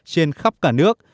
trên khắp cả nước